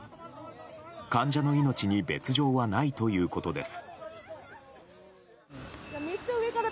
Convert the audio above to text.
患者の命に別条はないということです。